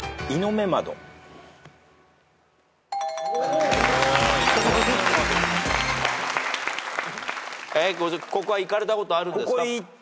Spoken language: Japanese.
ここは行かれたことあるんですか？